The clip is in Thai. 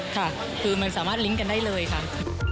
ค่ะคือมันสามารถลิงก์กันได้เลยค่ะ